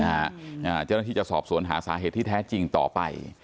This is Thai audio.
เจ้าหน้าที่จะสอบสวนหาสาเหตุที่แท้จริงต่อไป